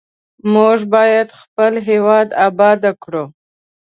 موږ باید خپل هیواد آباد کړو.